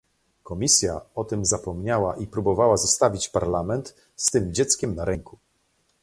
Komisja o tym zapomniała i próbowała zostawić Parlament z tym dzieckiem na ręku